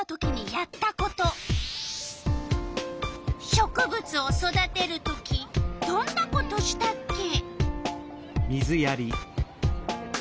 植物を育てる時どんなことしたっけ？